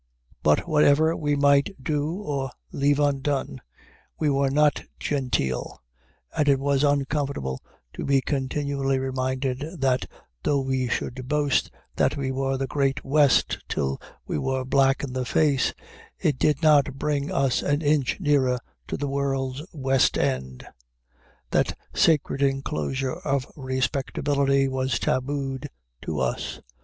But whatever we might do or leave undone, we were not genteel, and it was uncomfortable to be continually reminded that, though we should boast that we were the Great West till we were black in the face, it did not bring us an inch nearer to the world's West End. That sacred inclosure of respectability was tabooed to us.